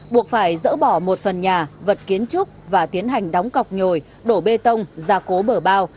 buộc phải dỡ bỏ một phần nhà vật kiến trúc và tiến hành đóng cọc nhồi đổ bê tông ra cố bờ bao